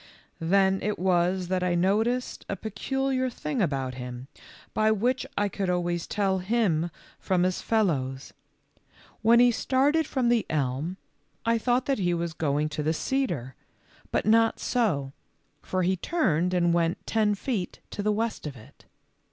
Then it was that I noticed a peculiar thing about him, by which I could always tell him from his fellows. When he HOW COCK ROBIN SAVED HIS FAMILY. 43 started from the elm, I thought that he was going to the cedar, but not so, for he turned and went ten feet to the west of it.